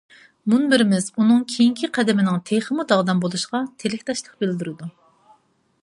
مۇنبىرىمىز ئۇنىڭ كېيىنكى قەدىمىنىڭ تېخىمۇ داغدام بولۇشىغا تىلەكداشلىق بىلدۈرىدۇ.